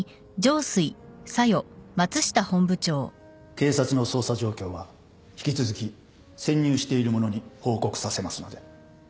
警察の捜査状況は引き続き潜入している者に報告させますので。